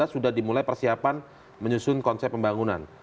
dua ribu delapan belas sudah dimulai persiapan menyusun konsep pembangunan